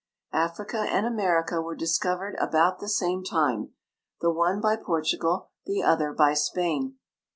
Africa and America were discovered about the same time — the one by Portugal, the other by Spain.